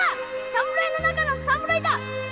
侍の中の侍だ‼